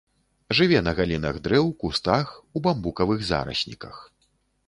Жыве на галінах дрэў, кустах, у бамбукавых зарасніках.